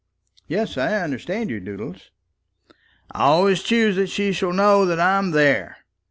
"Yes; I understand you, Doodles." "I always choose that she shall know that I'm there."